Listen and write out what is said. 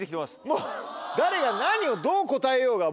もう誰が何をどう答えようが。